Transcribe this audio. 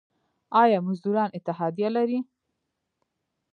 آیا مزدوران اتحادیه لري؟